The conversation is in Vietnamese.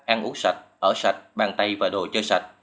ăn uống sạch ở sạch bàn tay và đồ chơi sạch